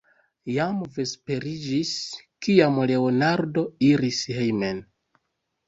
Jam vesperiĝis, kiam Leonardo iris hejmen.